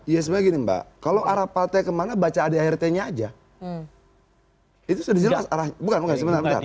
yes begini mbak kalau arah partai kemana baca adik adiknya aja itu sudah bukan bukan